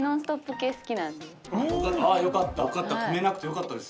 よかった。